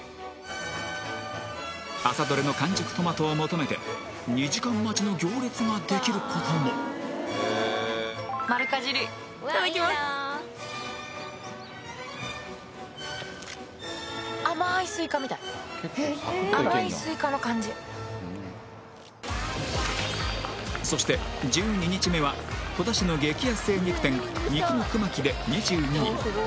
朝どれの完熟トマトを求めて２時間待ちの行列ができることもまるかじりいただきます甘ーいスイカみたい甘いスイカの感じそして１２日目は戸田市の激安精肉店肉のくまきで２２人